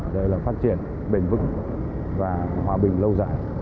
đây là phát triển bền vững và hòa bình lâu dài